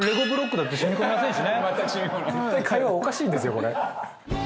絶対会話おかしいんですよこれ。